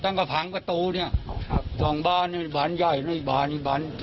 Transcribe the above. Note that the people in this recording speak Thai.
ตั้งกระพังกระตูเนี่ยส่องบ้านบานใหญ่บ้านอีกบ้าน